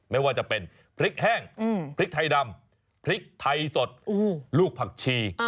ไม่ว่าจะเป็นพริกแห้งพริกไทยดำพริกไทยสดลูกผักชี